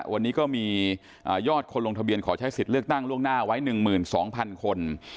วันนี้ก็มีอ่ายอดคนลงทะเบียนขอใช้สิทธิ์เลือกตั้งล่วงหน้าไว้หนึ่งหมื่นสองพันคน